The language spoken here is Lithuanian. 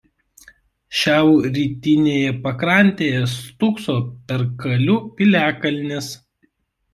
Šiaurrytinėje pakrantėje stūkso Perkalių piliakalnis.